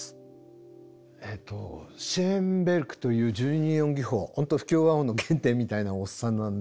えっとシェーンベルクという十二音技法不協和音の原点みたいなおっさんなんですけども。